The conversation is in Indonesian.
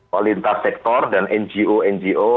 kualitas sektor dan ngo ngo